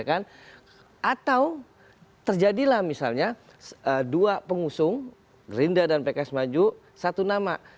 atau terjadilah misalnya dua pengusung gerinda dan pks maju satu nama